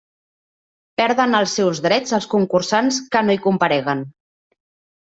Perden els seus drets els concursants que no hi compareguen.